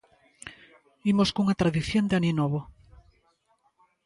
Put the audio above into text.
Imos cunha tradición de Aninovo.